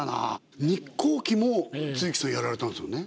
日航機も露木さんやられたんですよね？